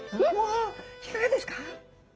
いかがですか？